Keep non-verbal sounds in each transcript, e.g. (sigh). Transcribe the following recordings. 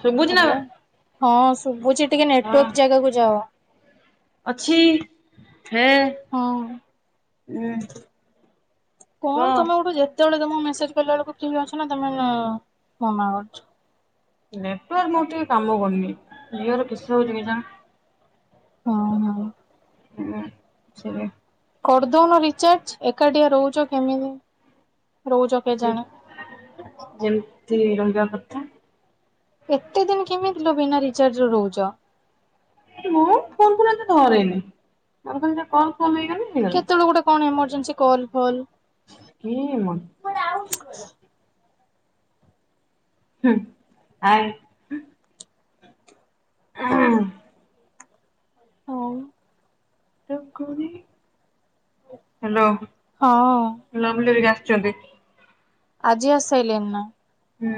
ଶୁଭୁଛି ନା ହେଲୋ, ହଁ ଶୁଭୁଛି ଟିକେ ନେଟୱାର୍କ ଜାଗାକୁ ଯାଅ। ଅଛି ହେ ହଁ ଉଁ କଣ କହ। ତୋମେ ଗୋଟେ ଯେ ତେବେଳେ ତୋମକୁ ମେସେଜ୍ କଲା ବେଳକୁ କେହି ଆସୁନ ତୋମେ (unintelligible) ମନା କରୁଛ। ନେଟୱାର୍କ ମୋର ଟିକେ କାମ କରୁନି ଜିଓ ର କିସ ହଉଛି କେଜାଣି। ହଁ, ହଁ। ହଁ ସେୟା। କରିଦଉନ ରିଚାର୍ଜ ଏକାଟିଆ ରହୁଚ କେମିତି? ରହୁଚ ଏ ଯେମିତି ରହିବା କଥା। ଏତେ ଦିନ କେମିତି ଲୋ ବିନା ରିଚାର୍ଜ ରେ ରହୁଚ? ମୁଁ ଫୋନ୍ ଫୋନ୍ ଏତେ ଧରେନି (unintelligible) ଯା କଲ୍ ଫଲ୍ ହେଇଗଲେ ହେଇଗଲା କେତେବେଳେ ଗୋଟେ କଣ ଏମର୍ଜେନ୍ସି କଲ୍ ଫଲ କିଏ ମୋ କୁଆଡେ ଆଉଚୁ କୁଆଡେ? ହୁଁ, ଆଏ ଅଁ, ଆଉ ହେଲୋ। ହଁ। ଲଭଲି ହେରିକା ଆସିଛନ୍ତି। ଆଜି ଆସାଇଲଣି ନା? ହୁଁ।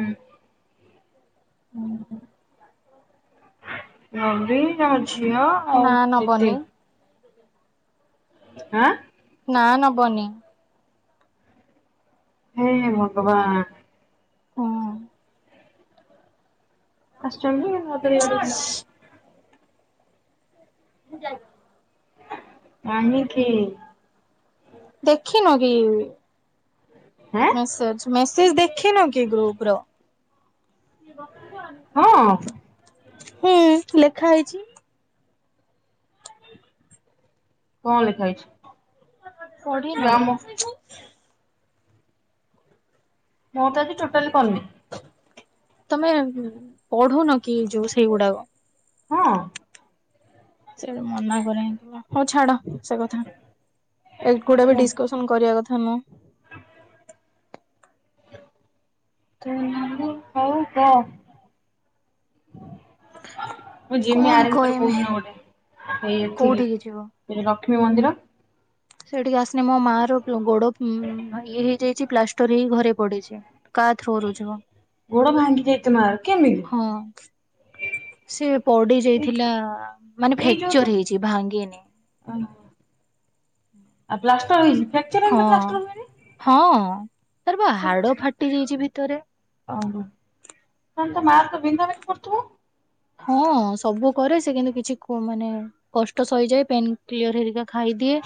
(inaudible) ନବଲି ତା ଝିଅ ନା ଆଉ ଲିଟି। ନବନି (inaudible) ଆଁ, ନାଁ ନବନି। ହେ ଇଏ ଭଗବାନ। ହଁ। ଆସିଛନ୍ତି ଏ ମଦିରି ଅ, ଦେଖିବା ପାଇଁ। ମୁଁ ଯାଇନି। କହିଁକିି? ଦେଖିନ କି? ହେଁ? ମେସେଜ୍ ମେସେଜ୍ ଦେଖିନ କି ଗ୍ରୁପ୍ ର? ହଁ। ହେଁ ଲେଖା ହେଇଛି। କଣ ଲେଖା ହେଇଛି? ପଢିନ ଗ୍ରାମ କି? ମୁଁ ତ ଆଜି ଟୋଟାଲି କର ନି। ତମେ ପଢୁନ କି ଯୋଉ ସେଇଗୁଡାକ। ହଁ। ସେ ମନା କରେ ହଉ ଛାଡ ସେ କଥା ଏ ଗୁଡେ ବି ମୋତେ ଡିସ୍କସ କରିବା କଥା ନୁହଁ। (inaudible) (inaudible) ମୁଁ ଯିମି କଣ ଆରିଭିତରେ କୋଉ କହିମି ଦିନ ଗୋଟେ ଏଇ ଏଠିକି। କୋଉଠିକି ଯିବ? ଏ ଲକ୍ଷ୍ମୀ ମନ୍ଦିର। ସେଠିକି ଆସନେ ମୋ ମା ର ଗୋଡ ଇଏ ହେଇଯାଇଛି ପ୍ଲାଷ୍ଟର ହେଇ ଘରେ ପଡିଛି। କା ଥ୍ରୋରୁ ଜିବ। ଗୋଡ଼ ଭାଙ୍ଗି ଜିତ ମାର କେମିତି? ହଁ ସେ ପଡି ଏଇ ଯାଇଥିଲା ମାନେ ଏଇ ଯୋଉ ତୁ ଫ୍ରାକ୍ଚର ହେଇଛି ଭାଙ୍ଗିନି। ଆଉ ପ୍ଲାଷ୍ଟର ହେଇଛି ଫ୍ରାକ୍ଚର ହଁ ପ୍ଲାଷ୍ଟର ହୁଏନି। ହଁ ତାର ପା ହାଡ ଫାଟି ଯାଇଛି ଭିତରେ। ଓହ ତାହେଲେ ମା ତ ବିନ୍ଧା ବିନ୍ଧି କରୁଥିବ? ହଁ ସବୁ କରେ ସେ କିନ୍ତୁ କିଛି କୁହେନାହି କଷ୍ଟ ସହିଯାଏ ପେନ୍ କ୍ଲିଅର ହେରିକା ଖାଇଦିଏ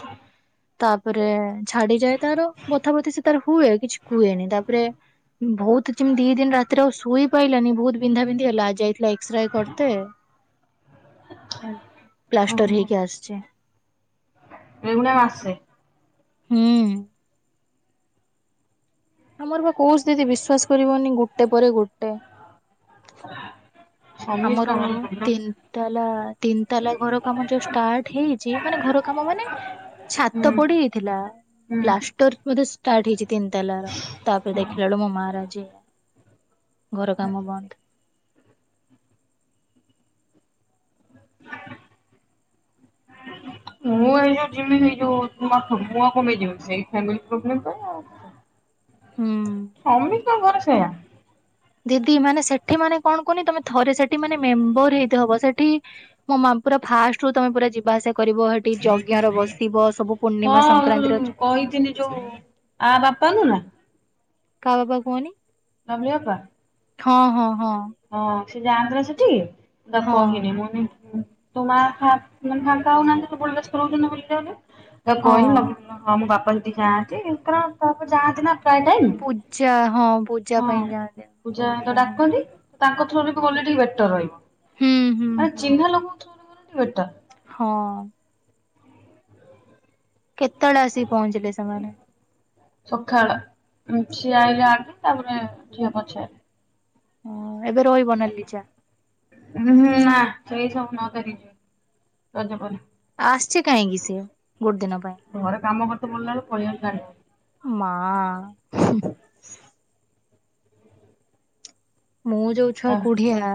ତାପରେ। ଛାଡିଯାଏ ତାର ବଥା ବଥି ସେ ତାର ହୁଏ କିଛି କୁହେନି ତାପରେ ବହୁତ ସେମିତି ଦି ଦିନ ରାତିରେ ଆଉ ଶୋଇ ପାଇଲାନି ବହୁତ ବିନ୍ଧାବିନ୍ଧି ହେଲା ଆଜି ଯାଇଥିଲା। ଏକ୍ସରେ କରତେ ପ୍ଲାଷ୍ଟର ହେଇକି ଓହୋ ଆସିଛେ। (inaudible) ମାସେ। ହୁଁ। ଆମର ବା କୋଉ ସ୍ଥିତି ବିଶ୍ୱାସ କରିବନି ଗୋଟେ ପରେ ଗୋଟେ। ଆମର ସମସ୍ତଙ୍କର ତିନ ପ୍ରୋବ୍ଲେମ୍ ତିନତାଲା ତିନିତାଲା ଘର କାମ ଯୋଉ ଷ୍ଟାର୍ଟ ହେଇଛି ମାନେ ଘର କାମ ମାନେ ଛାତ ହୁଁ ପଡିଯାଇଥିଲା ହୁଁ ପ୍ଲାଷ୍ଟର ବୋଧେ ଷ୍ଟାର୍ଟ ହେଇଛି ତିନି ତାଲାର ତାପରେ ଦେଖିଲା ବେଳୁ ମୋ ମାଆ ର ଆଜି ଏୟା। ଘର କାମ ବନ୍ଦ। ମୁଁ ଏଇକା ଯିବିନି। ଯୋଉ ତମ ମୁଆ କମେଇ ଯିବି ସେଇ ଫାମିଲି ପ୍ରୋବ୍ଲେମ ପାଇଁ ଆଉ ହୁଁ। ସମିତଙ୍କ ଘର ସେଇଆ। ଦିଦି ମାନେ ସେଠି ମାନେ କଣ କହୁନି ତମେ ଥରେ ସେଠି ମାନେ ମେମ୍ବର ହେଇଥବ ସେଠି। ମୋ ମା ପୁରା ଫାଷ୍ଟରୁୁ ତମେ ପୁରା ଯିବା ଆସିବା କରିବ। ସେଠି ଯଜ୍ଞରେ ବସିବ ସବୁ ପୂର୍ଣ୍ଣିମା ସଂକ୍ରାନ୍ତିର କହିିଥିନି ଯୋଉ ଆ ବାପାଙ୍କୁ ନା କାହା ବାବା କୁହନି? କାବୁଲି ବାପା। ହଁ ହଁ ହଁ। ହଁ ସେ ଯାଆନ୍ତି ନା ସେଠିକି ତାକୁ ହଁ କହିନି ମୁଁନି। ତୋ ମା ଫାଙ୍କା ଆଉ ନାହାନ୍ତି ତୁ ସବୁବଳେ ବ୍ୟସ୍ତ ରହୁଛନ୍ତି ବୋଲି ଭୁଲି ହଁ କହିଲି। ହଁ ମୋ ବାପା ଯାଆନ୍ତି କାରଣ କାହିଁକି ନା ଯାଆନ୍ତି ନା? ପ୍ରାୟ ଟାଇମ ପୂଜା ହଁ ପୂଜା ପାଇଁ ହଁ ଯାଆନ୍ତି ପୂଜା ହେଲେ ତ କହୁଥିଲା ହଁ। ଡାକନ୍ତି। ତାଙ୍କ ଥ୍ରୁରେ ବି ଗଲେ ଟିକେ ବେଟର ରହିବ ହୁଁ ହୁଁ ମାନେ ହୁଁ ଚିହ୍ନା ଲୋକଙ୍କ ଥୁରେ ଗଲେ ଟିକେ ବେଟର। ହଁ। କେତଳେ ଆସିକି ପହଞ୍ଚିଲେ ସେମାନେ। ସଖାଳ ସିଏ ଆଇଲେ ଆଗେ ତାପରେ ଝିଅ ପଛେ ଆଇଲା। ଅଁ ଏବେ ରହିବ ନା ଲିଜା। ଉହୁଁ ନା ସେଇ ସବୁ ନ ତାରିକ ରଜପରେ। ଆସ୍ ଛି କାହିଁକି ସିଏ ଗୋଟେ ଦିନ ପାଇଁ? ଘରେ କାମ କରିତେ ପଡଲା ବେଳକୁ ପଳେଇ ଆଉଚି ଦାଣ୍ଡକୁ। ମା। ମୁଁ ଯୋଉ ଛୁଆ ତା କୁଢିଆ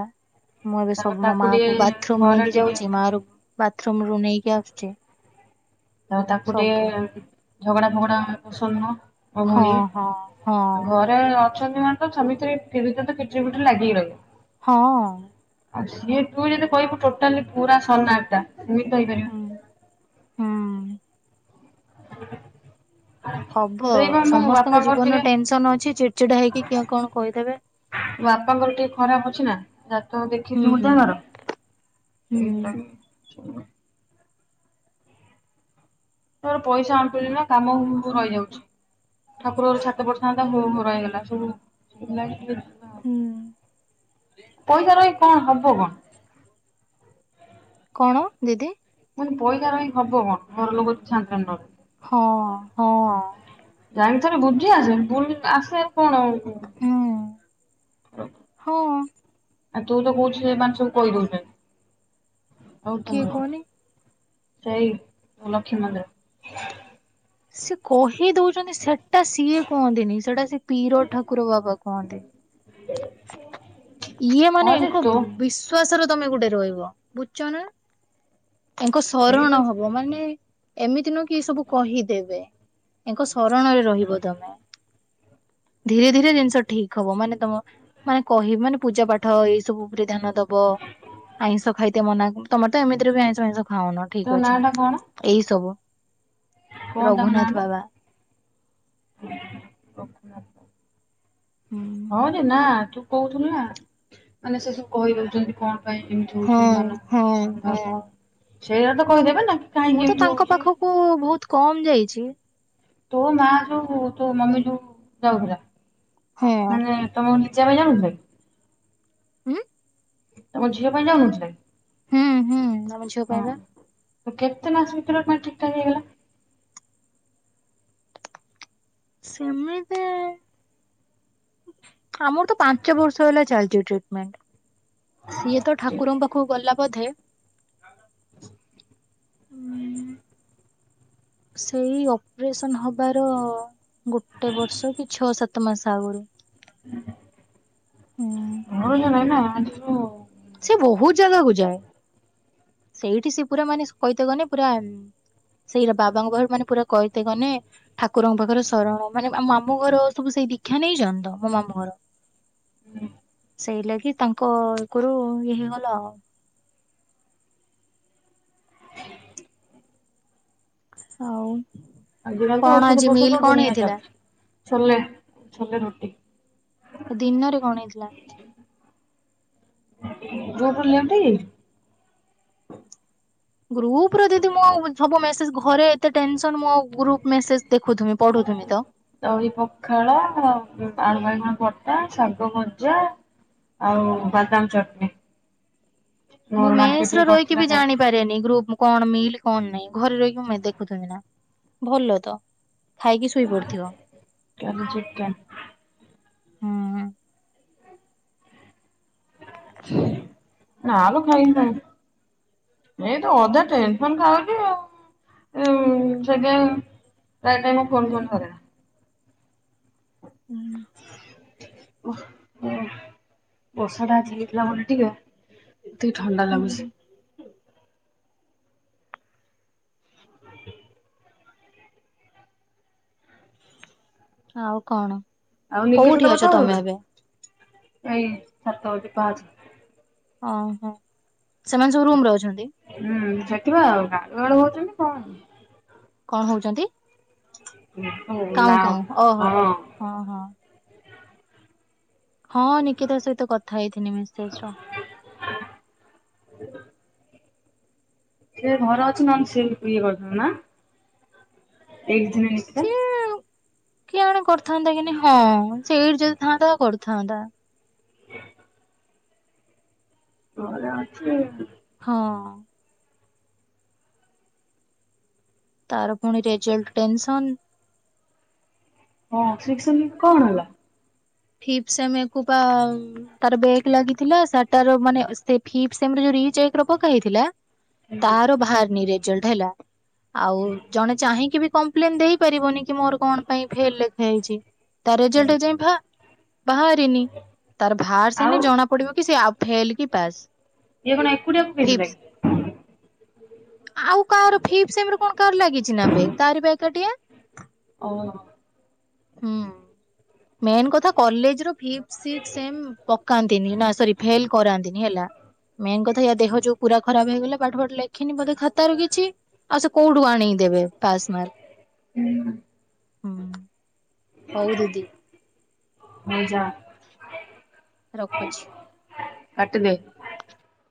ମୁଁ ଏବେ ତାପରେ ସବୁ ମୋ ତାକୁ ମା ଟିକେ କୁ ବାଥରୁମ ଘରେ ନେଇକି ଟିକେ ଯାଉଛି ମା ର ବାଥରୁମ ରୁ ନେଇକି ଆସୁଚି। ଆଉ ତାକୁ ଟିକେ ଝଗଡା ଫଗଡା ପସନ୍ଦ୍ ନୁହଁ। ମୋ ହଁ ଭଉଣୀ ହଁ ହଁ ଆଉ ଘର୍ ରେ ଅଛନ୍ତି ମାନେ ତ ସ୍ୱାମୀ ସ୍ପୀ (unintelligible) କିିଟରି ଫିଟରି ଲାଗିକି ରହିବ। ହଁ। ଆଉ ସିଏ ତୁ ଯଦି କହିବୁ ଟୋଟାଲି ପୁରା ସନା ଟା ସେମିତି ତ ହେଇପାରିବନି। ହୁ ହୁଁ। ହବ ସେଇ ବା ମୋ ସମସ୍ତଙ୍କ ବାପାଙ୍କର ଜୀବନର ଟିକେ ଟେନସନ ଅଛି ଚିଡଚିଡା ହେଇକି କିଏ କଣ କହିଦେବେ। ବାପାଙ୍କର ଟିକେ ଖରାପ ଅଛି ନା। ଜାତକ ହୁଁ ଦେଖେଇଚି ମୁଁ ହୁଁ ତାଙ୍କର ହୁଁ ଏଇତିପାଇଁ (unintelligible) ତାର ପଇସା ଅଣ୍ଟୁଚି ନା କାମ ହୁଁ ରହିଯାଉଛି ଠାକୁର ଘର ଛାତ ପଡିଥାନ୍ କାମ ହଉ ହଉ ରହିଗଲା ସବୁ ସେଇଥିଲାଗି ଟିକେ ହୁଁ। ପଇସା ରହିକି କଣ ହବ କଣ? କଣ ଦିଦି। ମୁଁ କହିନି ପଇସା ରହି ହବ କଣ ଘର ଲୋକ ଛାଁନ (unintelligible) ହଁ ହଁ। ଯାଇଁକି ଥରେ ବୁଝି ଆସ ବୁଲ ଆସେ କଣ ଆଉ ହୁଁ ହଁ। ଆଉ ତୁ ତ କହୁଛୁ ସେମାନେ ସବୁ କହିଦଉଛନ୍ତି, ଆଉ କିଏ (unintelligible) କୁହନି ସେଇ ଲକ୍ଷ୍ମୀ ମନ୍ଦିର। ସେ କହି ଦଉଛନ୍ତି ସେଟା ସିଏ କହନ୍ତିନି ସେଟା ସେ ପିର ଠାକୁର ବାବା କୁହନ୍ତି। ଇଏ ହଁ ମାନେ ଯେ ୟାଙ୍କ ତୋ ବିସ୍ ଶ୍ଵାସରେ ତମେ ଗୋଟେ ରହିବ ବୁଝଛ୍ ନା ତାଙ୍କ ସେଇ ସରଣ ଯୋଉ ହବ ମାନେ ଏମିତି ନୁହଁ କି ଇଏ ସବୁ କହିଦେବେ ୟାଙ୍କ ଶରଣରେ ରହିବ ତମେ। ଧୀରେ ଧୀରେ ଜିନିଷ ଠିକ୍ ହବ ମାନେ ତମ ମାନେ କହିବି ମାନେ ପୂଜା ପାଠ ଏଇ ସବୁ ଉପରେ ଧ୍ୟାନ ଦ ବ ଆଇଁଷ ଖାଇତେ ମନା ତମର ତ ଏମିତିରେ ବି ଆଇଁଷ ମାଇଁସ ଖାଉନ ତୋ ଠିକ୍ ନାଁ ଅଛି। ଟା କଣ ଏଇ ସବୁ। କଣ ତାଙ୍କ ନାଁ ରଘୁନାଥ ଟା? ବାବା। ହଁ ରେ ନା ତୁ କହୁଥୁଲୁ ନା ମାନେ ସେ ସବୁ କହିଦଉଛନ୍ତି କଣ? ପାଇଁ ଏମିତି ହଁ ହଉଛି ହଁ ମାନଙ୍କର କଣ ନା ହଁ। ସେଇଆ ତ କହିଦେବେ ନା। ମୁଁ କାହିଁକି ତ ଏମିତି ତାଙ୍କ ହଉଛି ପାଖକୁ ବହୁତ କମ୍ ଯାଇଛି। ତୋ ମା ଯୋଉ ତୋ ମମି ଯୋଉ ଯାଉଥିଲା ହଁ। ମାନେ ତମ ଲିଜା ପାଇଁ ଯାଉନଥିଲେ। ଉଁ କି ତମ ଝିଅ ପାଇଁ ଯାଉନଥିଲେ? ହୁଁ ହୁଁ ଆମ ଝିଅ ପାଇଁ ବା। ତ କେତେ ମାସ ଭିତରେ ନା ଠିକ୍ ଠାକ୍ ହେଇଗଲା। ସେମିତି ଆମର ତ ପାଞ୍ଚ ବର୍ଷ ହେଲା ଚାଲିଛି ଟ୍ରିଟମେଣ୍ଟ। ସିଏ ତ ଠାକୁରଙ୍କ ପାଖକୁ ଗଲା ବୋଧେ ଉଁ ସେଇ ଅପରେସନ ହବାର ଗୋଟେ ବର୍ଷ କି ଛଅ ସାତ ମାସ ଆଗରୁ ହୁଁ। ମ ନାଇ ନା ଆଜି ତୁ ସେ ବହୁତ ଜାଗାକୁ ଯାଏ ସେଇଠି ସେ ପୁରା ମାନେ କହିତେ ଗନେ ପୁରା ସେଇ ବାବାଙ୍କ ପାରୁ ମାନେ ପୁରା କହିତେ ଗନେ ଠାକୁରଙ୍କ ପାଖରେ ଶରଣ ମାନେ ମାମୁ ଘର ସବୁ ସେଇ ଦୀକ୍ଷା ନେଇ ଯ ତ ମୋ ମାମୁ ଘର। ହୁଁ। ସେଇ ଲାଗି ତାଙ୍କ ୟଗରୁ ଇଏ ହେଇଗଲା। ଆଉ ଆଜିରା ତ କଣ ଔଷଧ ଆଜି ମିଲ୍ ପଷଧ କଣ ଦୁନିଆ ଚା ହେଇଥିଲା? ଛୋଲେ ଛୋଲେ ରୁଟି। ଦିନରେ କଣ ହେଇଥିଲା? (unintelligible) ଗ୍ରୁପ ରୁ ଦିଦି ମୁଁ ହବ ମେସେଜ ଘରେ ଏତେ ଟେନସନ ମୁଁ ଆଉ ଗ୍ରୁପ ମେସେଜ ଦେଖୁ ତୁମେ ପଢୁ ତୁମି ତ ଦହି ପଖାଳ ଆଳୁ ବାଇଗଣ ବଟା ଶାଗ ଭଜା ଆଉ ବାଦାମ ଚଟଣି। ମୁଁ ମୋର ମେସ ରେ ମାର୍କେଟିଂ ରହିକି କରିଥିଲା ବି ଜାଣିବି ଯାଇକି ପାରେନି ଗ୍ରୁପ କଣ ମିଲ୍ କଣ ନାଇଁ ଘରେ ରହିକି ମୁ ଦେଖୁ ନା। (unintelligible) ଖାଇକି ଶୋଇ ପଡିଥିବ କାଲି ଚିକେନ୍ ହୁଁ। ହ ନା ଆଉ ଖାଇଥା ଏଇତ ଅଧା ଟେନସନ ଖାଉଛି ଆଉ ସେ (unintelligible) ଟାଇମ ମୁଁ ଫୋନ ଥରେ ହୁଁ। ଓ ବର୍ଷା ଟା ଆଜି ହେଇଥିଲା ବୋଲି ଆଜି ଟିକେ ଟିକେ ଥଣ୍ଡା ଲାଗୁଛି। ହୁଁ। (unintelligible) ଆଉ କଣ ଆଉ କୋଉଠି ଅଛ ତମେ ଏବେ ଆଜ୍ଞା ସାତ (unintelligible) ପାଛି ଓ ହୋ ସେମାନେ ସବୁ ରୁମ ରେ ଅଛନ୍ତି। ହୁଁ ସେଠିବା (unintelligible) ଗେଳୁ ହଉଛନ୍ତି କଣ କଣ ହଉଛନ୍ତି ଓଲା କାଉଁ କାଉଁ ଓହୋ ହଁ ହଁ। ହଁ ନିକିତା ସହିତ କଥା ହେଇଥିଲି ମେସେଜ ର। ହ। ସେ ଘର ଅଛନ୍ତି ନା ଆମେ ସେଏ ବି ଇଏ କରିଥାନା ଏ ଦିନ ନେଇଥିଲା କିଏ ଆଣେ କରିଥାନ୍ତା କି ନ ହଁ ସେ ଏଇଠି ଯଦି ଥାନ୍ତା କରିଥାନ୍ତା। ଭଲ ଅଛି। ହଁ। ତାର ପୁଣି ରେଜଲ୍ଟ ଟେନ୍ସନ୍। ହଁ (unintelligible) କଣ ହେଲା? ଫିପ୍ ସେମିକୁ ପା ତାର ବେକ୍ ଲାଗିଥିଲା, ସେଟାର ମାନେ ସେ ଫିପ୍ ସେମି ର ଯୋଉ ରି ଚେକ୍ ରେ ପକାହେଇଥିଲା ହୁଁ। ତାର ଭାର୍ନି ରେଜଲ୍ଟ ହେଲା। ଆଉ ଜଣେ ଚାହିଁକି ବି କମ୍ପ୍ଲେନ୍ ଦେଇପାରିବନି କି ମୋର କଣ ପାଇଁ ଫେଲ୍ ଲେଖା ଯାଇଚି, ତା ରେଜଲ୍ଟ ଏ ଯାଏ ଭାର୍ ବାହାରିନି ତାର ଭାର୍ ଆଉ ସାଇନେ ଜଣା ପଡିବ କି ସେ ଆ ଫେଲ୍ କି ପାସ୍। ଇଏ କଣ ଏକୁଟିଆ ଫିଫ୍ଥ (inaudible) ଆଉ କାହାର ଫିପ୍ ସେମିରେ କଣ କାହାର ଲାଗିଚି ନା ବେ ତାରି ବା ଏକାଟିଆ। ଓହୋ। ହୁଁ ମେନ୍ କଥା କଲେଜ୍ ର ଫିପ୍ ସିକ୍ସ ସେମ୍ ପକାନ୍ତିନି ନା ସରି ଫେଲ୍ କରାନ୍ତିନି ହେଲା। ମେନ୍ କଥା ୟା ଦେହ ଯୋଉ ପୁରା ଖରାପ୍ ହେଇଗଲା ପାଠ ଫାଠ ଲେଖିନି ବୋଧେ ଖାତାରେ କିଛି ଆଉ ସେ କୋଉଠୁ ଆଣିକି ଦେବେ ପାସ୍ ମାର୍କ। ହଉ ଦିଦି। ହଉ ଯା। ରଖୁଛି। କାଟିଦେ।